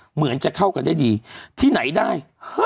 เหมือนจะเข้ากันได้ดีที่ไหนได้